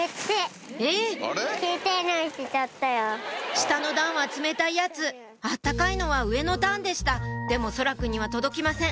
下の段は冷たいやつ温かいのは上の段でしたでも蒼空くんには届きません